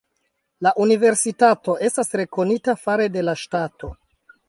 La universitato estas rekonita fare de la ŝtato.